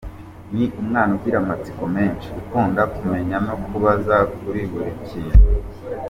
Ni umwana ugira amatsiko menshi, ukunda kumenya no kubaza kuri buri kintu.